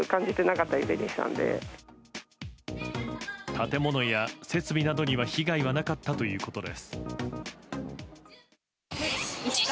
建物や設備などには被害はなかったということです。